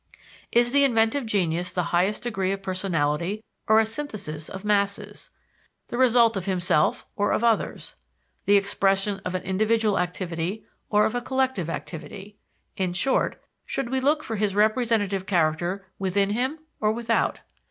Is the inventive genius the highest degree of personality or a synthesis of masses? the result of himself or of others? the expression of an individual activity or of a collective activity? In short, should we look for his representative character within him or without?